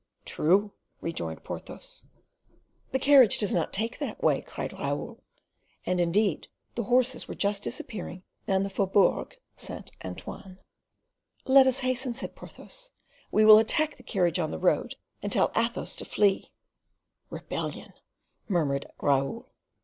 "True," rejoined Porthos. "The carriage does not take that way," cried Raoul; and indeed the horses were just disappearing down the Faubourg St. Antoine. "Let us hasten," said Porthos; "we will attack the carriage on the road and tell Athos to flee." "Rebellion," murmured Raoul.